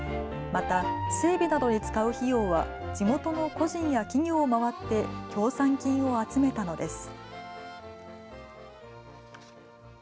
また整備などに使う費用は地元の個人や企業を回って協賛金を集めたのです。